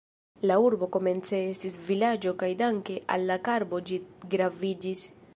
La urbo komence estis vilaĝo kaj danke al la karbo ĝi graviĝis.